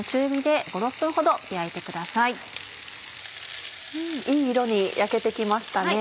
うんいい色に焼けて来ましたね。